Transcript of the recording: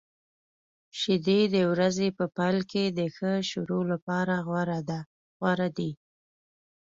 شیدې د ورځې په پیل کې د ښه شروع لپاره غوره دي.